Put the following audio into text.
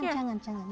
jangan jangan jangan